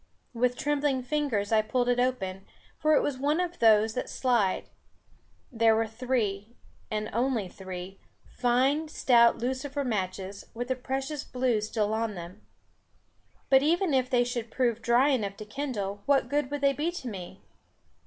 With trembling fingers I pulled it open, for it was one of those that slide. There were three, and only three, fine stout lucifer matches, with the precious blue still on them. But even if they should prove dry enough to kindle, what good would they be to me?